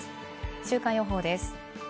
週間予報です。